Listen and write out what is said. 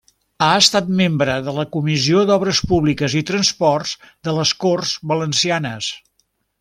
Ha estat membre de la Comissió d'Obres Públiques i Transports de les Corts Valencianes.